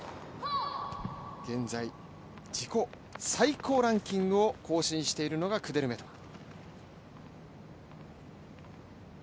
現在、自己最高ランキングを更新しているのがクデルメトワ。